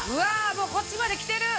もうこっちまできてる！